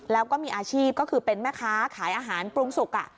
แล้วก็มีอาชีพก็คือเป็นแม่ค้าขายอาหารปรุงสุก